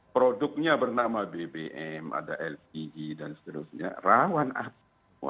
produknya bernama bbm ada lti dan seterusnya rawan api